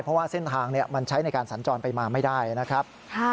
เพราะว่าเส้นทางมันใช้ในการสัญจรไปมาไม่ได้นะครับ